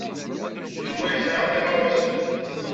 Yuba yesɛa iɣawasen.